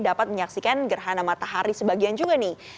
dapat menyaksikan gerhana matahari sebagian juga nih